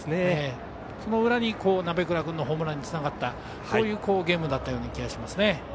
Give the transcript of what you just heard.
その裏に、鍋倉君のホームランにつながったそういうゲームだったように思いますね。